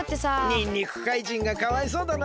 にんにくかいじんがかわいそうだな。